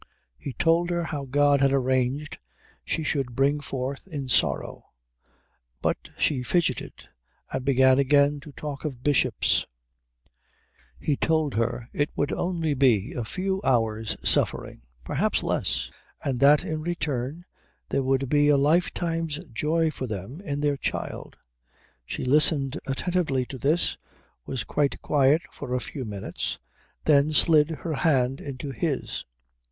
He told her how God had arranged she should bring forth in sorrow, but she fidgeted and began again to talk of bishops. He told her it would only be a few hours' suffering, perhaps less, and that in return there was a lifetime's joy for them in their child. She listened attentively to this, was quite quiet for a few minutes, then slid her hand into his.